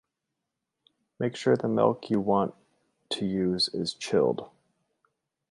Make sure the milk you want to use is chilled.